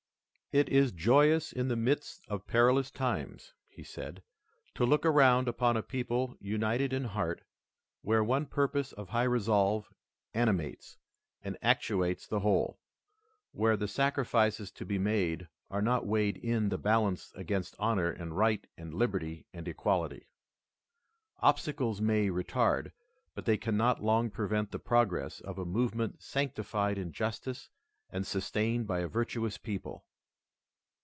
"It is joyous in the midst of perilous times," he said, "to look around upon a people united in heart, where one purpose of high resolve animates and actuates the whole; where the sacrifices to be made are not weighed in the balance against honor and right and liberty and equality. Obstacles may retard, but they cannot long prevent the progress of a movement sanctified in justice and sustained by a virtuous people.